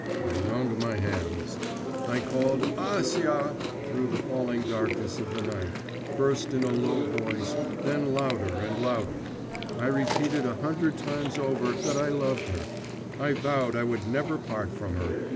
I wrung my hands. I called 'Acia' through the falling darkness of the night, first in a low voice, then louder and louder; I repeated a hundred times over that I loved her. I vowed I would never part from her.